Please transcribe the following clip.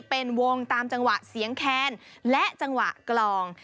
เป็นวงตามจังหวะเสียงแคนและจังหวะกลอง